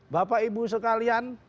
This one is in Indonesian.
bapak ibu sekalian